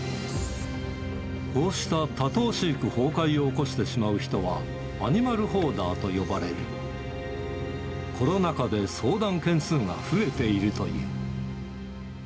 こうした多頭飼育崩壊を起こしてしまう人は、アニマルホーダーと呼ばれ、コロナ禍で相談件数が増えているという。